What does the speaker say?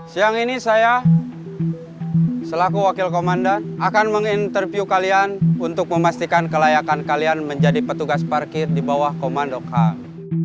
siang ini saya selaku wakil komandan akan menginterview kalian untuk memastikan kelayakan kalian menjadi petugas parkir di bawah komando kam